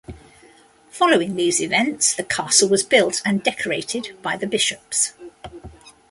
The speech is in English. Following these events, the castle was built and decorated by the bishops.